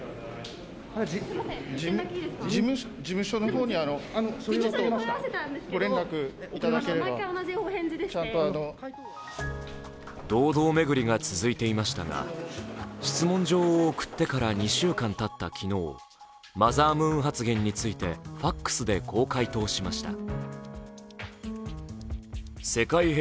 堂々巡りが続いていましたが、質問状を送ってから２週間たった昨日マザームーン発言についてＦＡＸでこう回答しました。